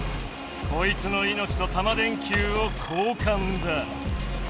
こいつのいのちとタマ電Ｑを交かんだ。